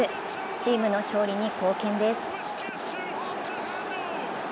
チームの勝利に貢献です。